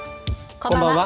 こんばんは。